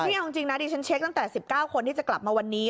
นี่เอาจริงนะดิฉันเช็คตั้งแต่๑๙คนที่จะกลับมาวันนี้